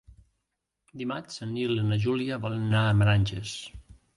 Dimarts en Nil i na Júlia volen anar a Meranges.